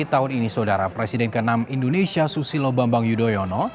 tahun ini saudara presiden ke enam indonesia susilo bambang yudhoyono